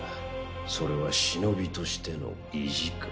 それは忍としての意地か？